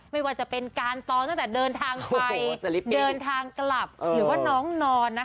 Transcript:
ไม่ว่าจะเป็นการตอนตั้งแต่เดินทางไปเดินทางกลับหรือว่าน้องนอนนะคะ